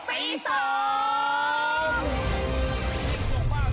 ฟรีส่ง